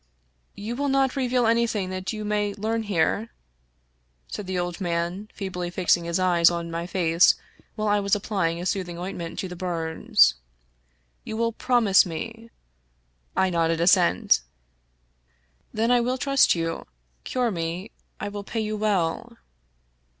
" You will not reveal anything that you may learn here ?" said the old man, feebly fixing his eyes on my face while I was applying a soothing ointment to the bums. " You will promise me." I nodded assent. " Then I will trust you. Cure me — I will pay you well."